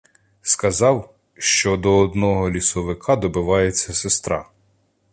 Сказав, що до одного лісовика добивається сестра.